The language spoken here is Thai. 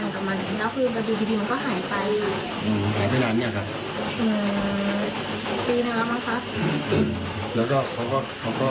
ที่โรงเรียนค่ะมีปัญหาไหมคะ